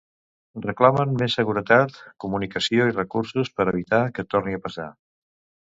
Reclamen més seguretat, comunicació i recursos, per evitar que torni a passar.